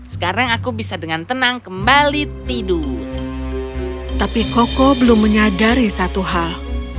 sekarang aku bisa dengan tenang kembali tidur tapi koko belum menyadari satu hal